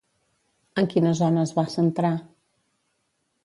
En quina zona es va centrar?